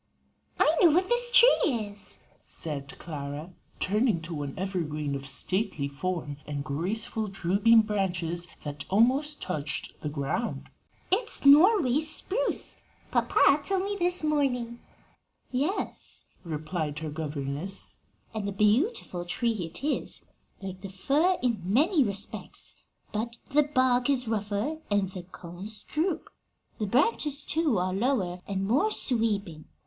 "I know what this tree is," said Clara, turning to an evergreen of stately form and graceful, drooping branches that almost touched the ground: "it's Norway spruce. Papa told me this morning." [Illustration: THE NORWAY PINE.] "Yes," replied her governess, "and a beautiful tree it is, like the fir in many respects, but the bark is rougher and the cones droop. The branches, too, are lower and more sweeping.